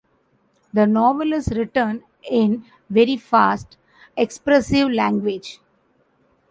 The novel is written in very fast, expressive language.